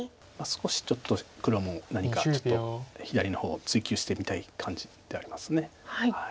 少しちょっと黒も何か左の方追及してみたい感じではあります。